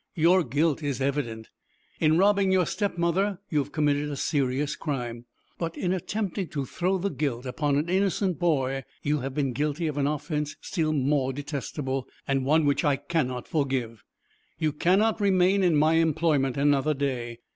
"Your guilt is evident. In robbing your stepmother you have committed a serious crime; but in attempting to throw the guilt upon an innocent boy, you have been guilty of an offense still more detestable, and one which I cannot forgive. You cannot remain in my employment another day.